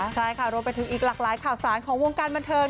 ใช่ค่ะรวมไปถึงอีกหลากหลายข่าวสารของวงการบันเทิง